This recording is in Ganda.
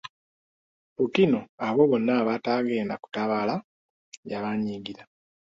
Pookino abo bonna abataagenda kutabaala yabanyiigira.